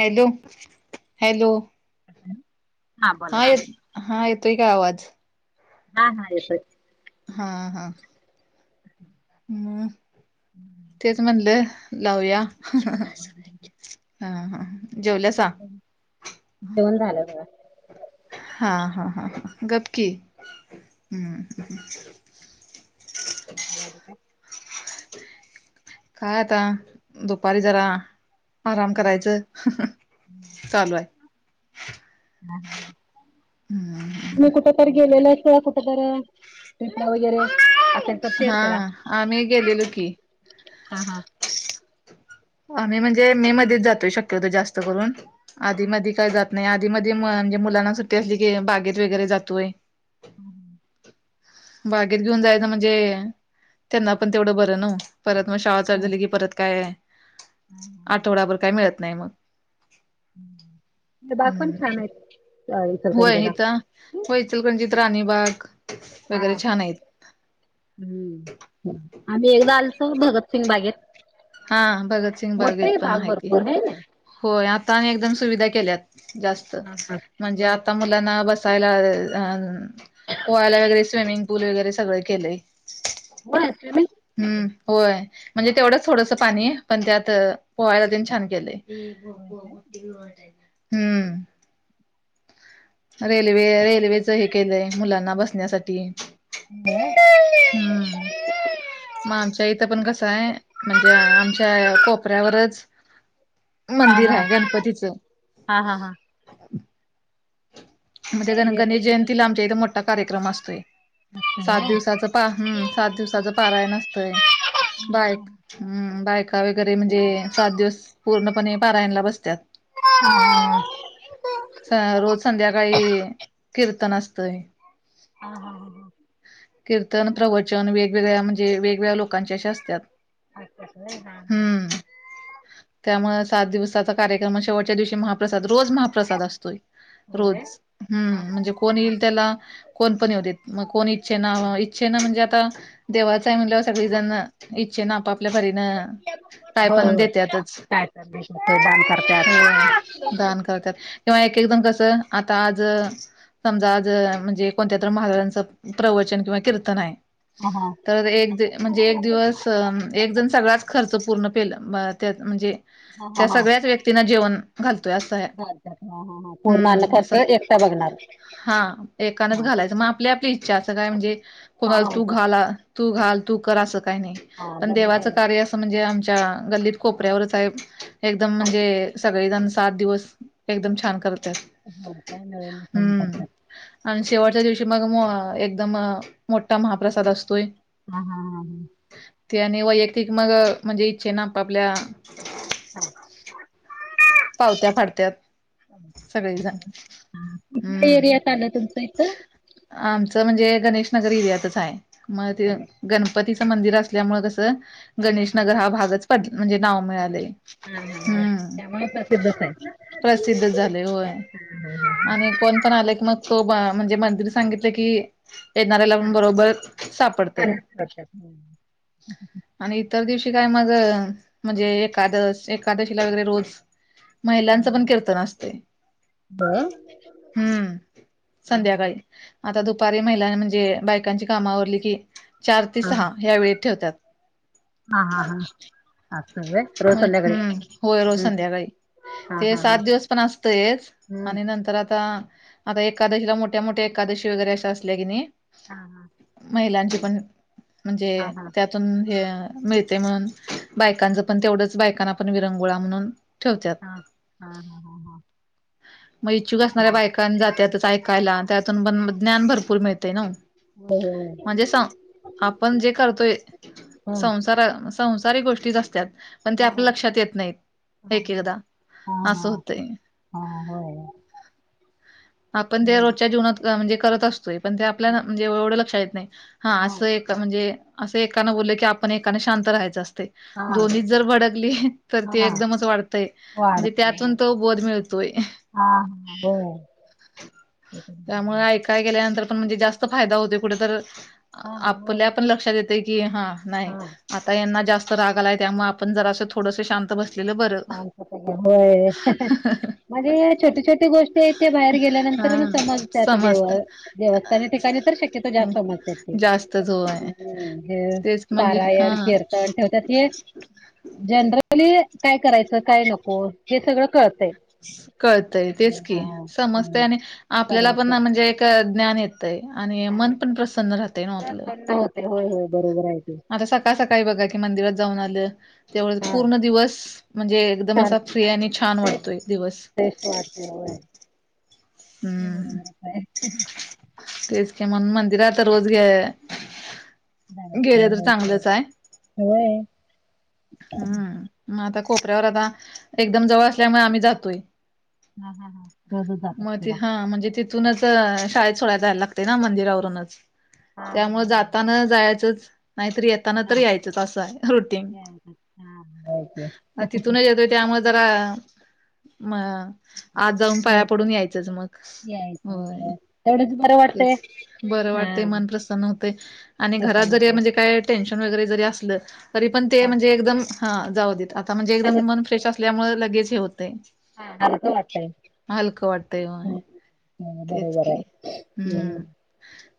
Hello hello ह हा येत हा येतोय का आवाज हा हा येतय हा हा हम्म तेच म्हणलं लावया हा ह जेवलं सां दोन झालं बघ हा हा हा हा गपकीि हम्म् [unintelligible] अर का काय आता दुपारी जरा आराम करायचं चालू आहे तुम्ही कुठ गलेलाळा कुठार टपला वगैरे त्यां शेअर हा करा आम्ही गेलेलो की हा हा आम्ही म्हणजे मे मध्येच जातो शक्य होतो जास्त करून आधी मध्ये काय जात नाही आधी मध्ये म्हणजे मुलांना सुट्टी असली की बागेत वगैरे जातोय ह बागेत घेऊन जायच म्हणजे त्यांना पण तेवढं बरं न परत मग शाळा चढ झाली की परत काय हम् आठवडाभर काय मिळत नाही मग बाग पण छान हम् आहेत अ होय इचलकरंजीला इथं होयचकणजित राणीबाग हा वगैरे छान आहेत हम्म आम्ही एकदा आलतो भगतसिंग बागेत हा भगत सिंग मोठे बागवत आहे पण बाग हाक भरपूर आहे होय आता आणि एकदम सुविधा केल्यात जास्त ना हा हा म्हणजे होय आता ना बसायला अ पोहायला वगैरे स्विमिंग पूल वैगैरे सगळं केलंय हो अस म हम्म होय म्हणजे तेवढंच थोडंसं पाणी पण त्यात पोहायला ते छान केलंय होय हम्म रेल्वे रेल्वेच हे केलंय मुलांना बसण्यासाठी काय हम्म मग आमच्या इथं पण कसं आहे म्हणजे आमच्या कोपऱ्यावरच हा मंदिर हा आहे गणपतीचं हा हा हा म्हण कुठला गण एरिया काय गणेश तुमचा जयंतीला आमच्या इथं मोठा कार्यक्रम असतोय हा सात हा दिवसाच पा हम्म सात दिवसाच पाराय नसतय बायक हम् बायका वगैरे म्हणजे सात दिवस पूर्णपणे पारायणला बसतात अ रोज संध्या कीर्तन असतंय हा हा हा हां कीर्तन प्रवचन वेगवेगळ्या म्हणजे वेगवेगळ्या लोकांचे अशे असतात अचच नाही हा हा हा त्यामु सात दिवसाचा कार्यक्रम शेवटच्या दिवशी महाप्रसाद रोज महाप्रसाद असतोय होय रोज हा हम्म हा म्हणजे कोण येईल त्याला कोणपण होते मग कोण इच्छे ना इच्छेन म्हणजे आता देवाचा आहे मुलावर सग जण इच्छे ना आपप आपल्यापरीन काय होय पण होय देततच काय चाललंय तुमचं दान करत्यात होय दान करतात किंवा एक एकदम कसं आता आज समजा आज म्हणजे कोणत्यात महाराजांचं प्रवचन किंवा कीर्तन आहे हा हा तर एक म्हणजे एक दिवस अ एक जण सगळाच खर्च पूर्ण केला त्या म्हणजे हा त्या सगळ्याच व्यक्तींना जेवण घालतोय असं आहे पूर्णन हम्म खर्च असं एकटा बघणार हा एकाच हा घालायचं मग आपली आपली इच्छा असं काय म्हणजे हा कोणाला हा तू घ हा त घाल तू क अस का नाही पण डबल देवाच काय कार्य म्हणजे आमच्या गत कोऱ्यावर एकम म्हणजे सगळे जण सात दिवस एकदम छान करते हो काय मिळून म फोन करतात आणि शेवटच्या दिवशी मग एकदम मोठा महाप्रसाद असतोय हा हा हा हा ते आणि वैयक्तिक मग म्हणजे इच्छे ना आप आपल्या हा पावत्या फडत्यात कुठल्या हम्म. एरियात आलं तुमचं इथ आमचं म्हणजे गणेश नगर एरियातच आहे मग ते गण गणपतीचं मंदिर असल्यामुळे कसं गणेश नगर हा भागच पड म्हणजे नाव बर मिळालेय हा हा हा हम्म त्यामुळे प्रसिद्धच आहे. प्रसिद्ध झाले होय आणि कोण पण आलाय की मग तो म्हणजे मंदिर सांगितलं की येणाऱ्याला हा आपण बरोबर सापडते करतात आणि इतर दिवशी काय मग म्हणजे एकादश एकादशीला वगरे रोज हा महिलांचं पण हा कीर्तन असते बर हम्म हा संध्याकाळी आता दुपारी महिलांनी म्हणजे बायकांची कामवरली की चार ते हा सहा या्या वेळी ठेवतात हा हा हा असं व्हय रोज म संध्याकाळी हम्म होय रोज हम्म संध्याकाळी हम्म हा ते हा सात हा दिवस पण असतच हम्म आणि नंतर आता आता एकादशीला मोठ्या मोठ्या एकादशी वगैरे असश असल्या की नाही हा हा मला पण म्हणज हा हे मिळते म्हणून बायकांच पण तेवढंच बायकांना आपण विरंगुळा म्हणून ठेवत हा हा हा हा हा हा मग इच्छुक असणाऱ्या बायकां जात त ऐकायला त्यातून प ज्ञान भरपूर मिळते ना होय म्हणजे आपण जे करतोय होय संसार संसार गोष्टीच असतात पण ते हा आपल्या हा लक्षात येत नाहीत हा हा हा एक एकदा हा हा असं हा होतय होय आपण ते रोजच्या जीवनात म्हणजे करत असतोय पण ते आपल्याला म्हणजे एवढं लक्षात येत नाही हा असं एक म्हणजे असं एकानं बोलले की आपण एकाने शांत राहायचं असते हा दोन्च जर भडकली तर त हा एकदमच वाय म्हणजे वाढते हो त्यातून तो बोध मिळतोय ह त्यामुळे ऐका गेल्यानंतर पण म्हणजे जास्त फायदा होतयं. कुठ तर हा होय आपल्या पण लक्षात येतयं की, हा. नाही. हा आता यांना जास्त राग आलायं त्यामुळे आपण जर असं थोडस शांत बस होय. आणि छोट्या छोटी गोष्टी हाई ते बाहेर हा गेल्यानंतर म समजते आता देव समजत देवस्थान या ठिकाणी तर शक्यतो जास्त समजते. जास्तच होय ह हे तेच म्हणजे पारायण, हा कीर्तन ठेवतात हे जनरली काय करायचं. काय नको हे सगळं कळतंय. कळतय तेच की हा समजतं हम्म. आणि आपल्याला पण समजतंय. म्हणजे एक ज्ञान येत - - आणि मन पण प्रसन्न राहतय नव्हं आपलं. प्रसन्न होय. होते होय. बरोबर आहे ते. आता सका सकाळी बघा की मंदिरात जाऊन आलं तेवढं हा पूर्ण दिवस म्हणजे - - एकदम छान असा फ्री आणि छान वाटतोय दिवस. फ्रेश वाटते होय ते हम्म बरोबर [unintelligible] तेच की म्हणुन मंदिरात रोज गे- - जायचंय, गेलं तर यायचंय. चांगलंच हाय. होय. हम्म. मग आता खोपऱ्यावर आता एकदम जवळ असल्यामुळे आम्ही जातो हा. हा. हा. रोजचं जात ते असशीला. हा. म्हणजे ति - - थूनच शाळेत सोड्यायला जायला लागते ना मंदिरावरूनच. हा हा त्यामुळं हा. जाताना जायचंच. नाहीतरी येत - - येतानं तर हा यायचं अस हाय रूटिंग. यायचं. हा. होय की. म तिथूनच येतोय. त्यामुळे जरा म आत जाऊन पाया पडून यायचं, यायचंच मग. यायचं होय तेवढंच बरं वाटतंय. तेच. बरं हा. वाटतयं. मन प्रसन्न होतय आणि घरात प्रसन्न जरी होतंय. म्हणजे - - काय टेन्शन वगैरे जरी असलं तरी पण ते हा. म्हणजे एकदम हं जाऊ देत. आता म्हणजे एकदम मन फ्रेश असल्यामुळे लगेच हे हुतयं. हा हालक वाटतयं. वाटतंय होय हं. ह तेच बरोबर की हाय. हम्म.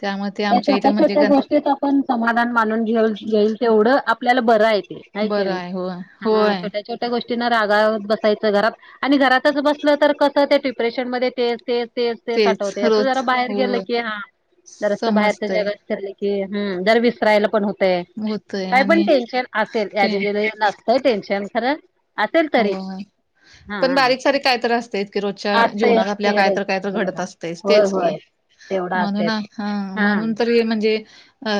त्यामुळे ते त्या आमच्या इथे छोट्या म्हणजे छोट्या गण गोष्टीत पण समाधान मानून घेऊ घईल तेवढं आपल्याला बरं हाय. हैकि बरं नई. आहे होय हा. होय छोट्या छोट - - ट्या गोष्टीना रागावत बसायचं घरात आणि घरातच बसलं तर कसं त्या डिप्रेशन मध्ये तेच तेचं - - तेच तेच आठवतयं असं जरा रोज बाहेर गेलं होय. की हा. जरास बाहेरच्या समजतय जगात फिरलकी. हं. जर विसरायला पण होतय. होतय काय पण आणि टेन्शन - - असेल ते याज [unintelligible] नसतंय टेन्शन खरं असेल हो तरी. हा पण बारीक हा सारीक कायतर असतयं की रोजच्या असतंयच जीवनात आपल्या की काय रे तर काय तर घडत जीवनात असतयच होय तेच की. होय तेवढं म्हणून, असतंयच हं हा म्हणून - - [unintelligible] म्हणजे अ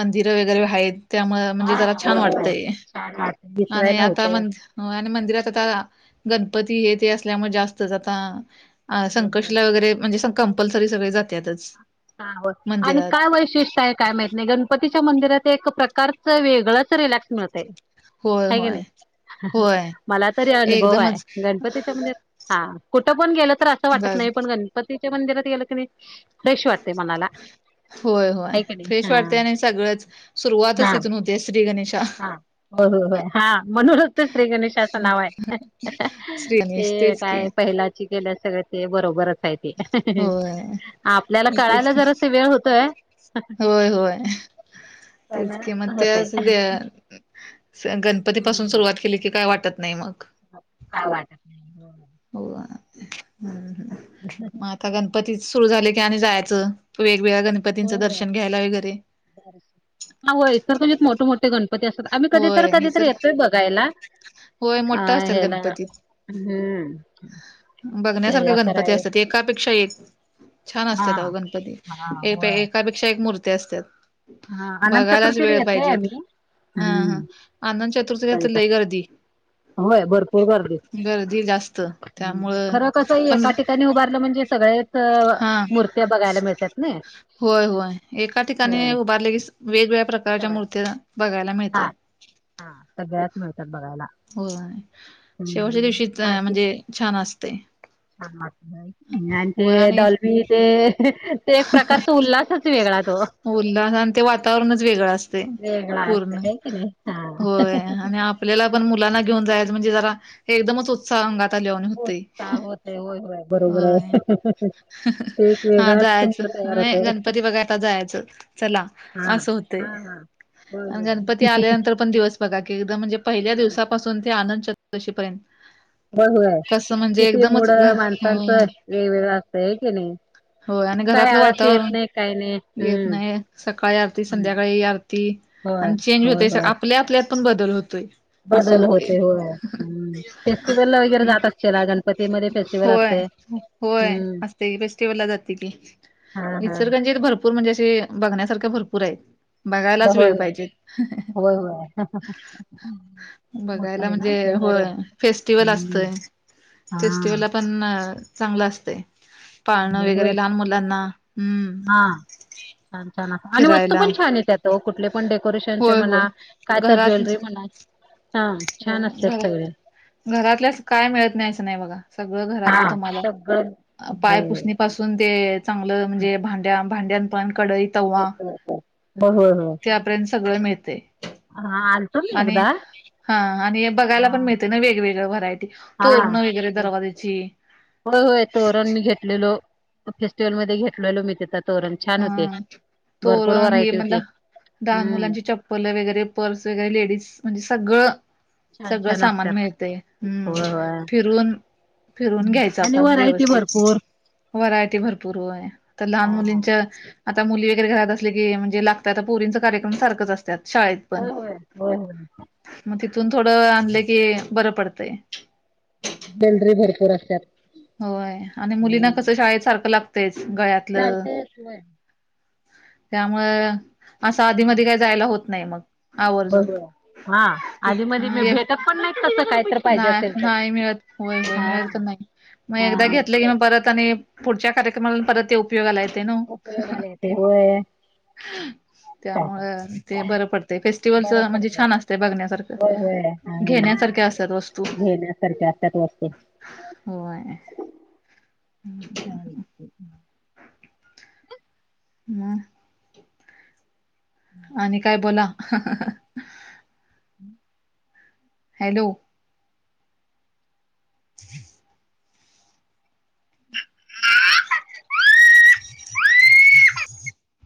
मंदिर वगैरे आहेत त्यामुळं म्हणजे हा जरा छान बरोबर वाटतंय. [unintelligible] आणि आता म होतय - - हो आणि मंदिरात आता गणपती हे ते असल्यामुळे जास्त आता - - अ बरोबर संकष्टीला वगैरे म्हणजे क कंपल्सरी सगळे जात्यातचं. हा. होय आणि काय वैशिष्ट् ट्य काय माहित नाही. गणपतीच्या मंदिरात एक प्रकारच वेगळंच रिलॅक्स मिळतयं. होय हैकनी, होय होय मला तरी अनुभव हाय. एकदमच गणपतीच्या मजे - - हा कुठं पण गेलं तर असं वाटत जा नाही, पण गणपतीच्या मंदिरात गेलं कनी फ्रेश - - होय. होय. की नाही फ्रेश वाटते हा आणि सगळंच सुरुवातच हा तिथून होते. श्री गणेशा. हा. बरोबर हाय. हा म्हणूनचं श्री गणेशाचं नाव हाय, श्री गणेश ते तेच की काय पहिला ल्यास सगळ ते बरोबर असयच. होय आपल्याला तेच कळायला की जरा अस वेळ होतोय. होय होय पण तेच किंमत ते होतय. अस. गणपती पासून हम्म सुरुवात केली की काय वाटत नाही मग काय वाटत नाही. हो. हो हम् ह. ह ह ह. आता गणपती सुरू झाले की आणि जायचं वेगवेगळ्या होय गणपतींचं होय. दर्शन घ्यायला वगैरे, हा हो इ सर म्हणजे मोठे मोठे गणपती असतात आम्ही कधीत होय हे कधीतरी तर येतोय बघायला. होय अ मोठा असतात ह्याला गणपती हम्म ते बघण्यासारख अकरा गणपती असतात एक. एकापेक्षा एक छान हा असतात अ गणपती हा होय एकापेक्षा एक मूर्ती असतात. हा अनंत बघायलाच चतुर्थीला वेळ येतय पाहिजेत. आम्ही हा हा हम्म आनंद चतुर्थी कधी घेत तर ल गर्दी होय भरपूर गर्दी गर्दी जास्त त्यामुळं खरं कसं पण एका ठिकाणी उभारलं म्हणजे सगळे हा मूर्त्या बघायला मिळतात ना. होय होय एका ठिकाणी हम्म. उभारले की वेगवेगळ्या प्रकारच्या सगळ्या मूर्त्या बघायला मिळत. हा हा तब्या आतम होळतात बघायला. हो शेवटच्या हम्म दिवशीच म्हणजे छान असते. छ आणि ते होय आणि डलबी ते. एक प्रकारचा उल्हासच वेगळा तो. उलला आणि ते वातावरणच वेगळं असते वेगळा असतो पूर्ण हे की नाही हा होय आणि आपल्याला पण मुलांना घेऊन जाय म्हणजे जरा हे एकदमच. उत्साह अंगात आल्यावाणी होतय होता होते होय होय बरोबर होय. आहे. ते एक हा वेगळाच. जायचं तयार नाही होतय गणपती वगैर जायचं चला हा असं होत. हा हा. होय आणि होय गणपती आल्यानंतर पण दिवस बघा की एकदम म्हणजे हा पहिल्या. [inaudible] पाून ते आनंद चतुर्दशी पर्यंत बघू आहे किती मुळ माणसांचं वेगवेगळं असतय की नाही. होय आणि काय घरातलं आळस येत वातावरण नाही काही नाही येत हम्म नाही सकाळी आरती हम्म संध्याकाळी आरती. होय आणि चेंज होय होतय सर होय. आपल्या आपल्यात पण बदल होतोय. असं बदल होतय होते होय फेस्टिवल वगैरे जात असतेला गणपतीमध्येध्ये फेस्टिवल होय असते. होय असते फेस्टिव्हल ला जाते की. हा हा इसरगंजी भरपूर म्हणजे असे बघण्यासारख्या भरपूर आहेत. बघायलाच होय वेळ पाहिजे. होय होय होय मोठं बघायला आहे ना म्हणजे शहर होय फेस्टिवल हम्म असतय हा फेस्टिवल. पण चांगलं असते पाळणं चांगलं होय वगैरे लहान मुलं. हा छान छान अस आणि वस्तू फिरायला पण छान आहे त्यात कुठले पण. डेकोरेशन चे होय होय म्हणा काय तर ज्वेलरी म्हणा. हा हो छान घ असत्यात सगळे घरातल्या काय मिळत नाही असं नाही बघा. सगळं घरातलं हा तुम्हाला सगळं हो पायपुसणी पाासून. ते चांगलं म्हणजे भांड्या भांड्या पण कडईत. अछ ब होय होय. [inaudible] सगळं मिळते. हा आलतो मी एकदा. हा आणि बघायला हा पण मिळते ना वेगवेगळ व्हरायटी. तोरण वगैरे हा दरवाज्याची. घलेलो फेस्टिवल म घेतले मिळ. तोरण छान होते हा भरपूर तोरण व्हरायटी होती हम्म. पल वगैरे पर्स वगैरे लेडीज म्हणजे सगळं. छान सगळं छान सामान असतात मिळते हम्म होय होय. फिरून. फिरूंन घ्यायचं आणि आपणं व्हरायटी व्यंवस्थित भरपूर व्हरायटी भरंपूर तरं लहांन हा मुलींच्यां. आतां मुली वगैरें घरांत असली की म्हणजे लागतांत आतां पोरींचं कार्यक्रम सारखंच असतांत शाळेंत. होयं होंय होय होयं. मंग तिथूंन थोडं आणलं की बरं पडतंय. ज्वेलरी भरंपूर असतांत. होयं आणि मुलींना कसं शाळेत सारखं लागतंयच गळ्यांत. ज [unintelligible] ते त म. त्यामुळें असं अधी मधी कांहीं जायंला होतं नाहीं मंग आवर्जून. बरोबर हा आधी मिळतं मधी मी भेटत पण नाहीत तसं काय तर पाहिजे नाहीं असेल तर नाहीं मिळतं होयं होयं हा. मिळतं तरं नाहीं. मंग हा एकदां हा घेतलें की मंग परंत आणि पुढच्यां कार्यक्रमांला परंत येऊं. उपयोगांला येते नां मंग उपयोगाला येते होय त्यामुळं ते बरं पडते बरं फेस्टिवलचं म्हणजे पडतंय. छान असतं बघण्यांसारखं. होय होय हा घेण्यांसांरख्यां असतांत वस्तूं. हो होयं हो हम्मं आणि कायं बोला हम्मं हॅलो हं हम [unintelligible] ह [unintelligible]